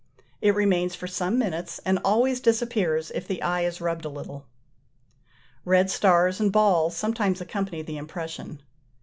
It remains for some minutes, and always disappears if the eye is rubbed a little. Red stars and balls sometimes accompany the impression.